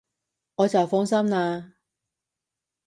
我就放心喇